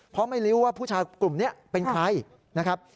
เพราะไม่รู้ว่าผู้ชายกลุ่มนี้เป็นใครนะครับ